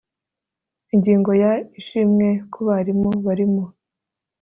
Ingingo ya Ishimwe ku barimu bari mu